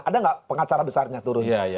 ada nggak pengacara besarnya turun